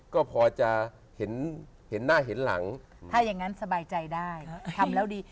ก็พอจะเห็นหน้าเห็นหลังถ้าอย่างนั้นสบายใจได้ทำแล้วดี